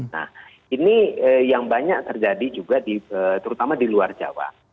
nah ini yang banyak terjadi juga terutama di luar jawa